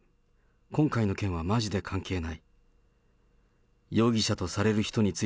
今回の件はまじで関係ない。